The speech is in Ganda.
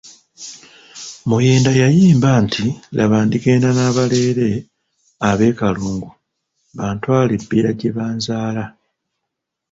Muyinda yayimba nti Laba ndigenda n’abalere ab’Ekalungu bantwaale e Bbira gye banzaala.